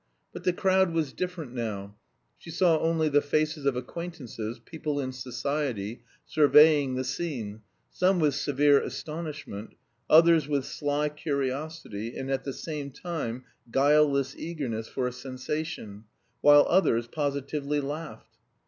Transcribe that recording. But the crowd was different now: she saw only the faces of acquaintances, people in society, surveying the scene, some with severe astonishment, others with sly curiosity and at the same time guileless eagerness for a sensation, while others positively laughed.